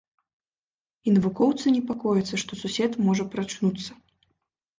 І навукоўцы непакояцца, што сусед можа прачнуцца.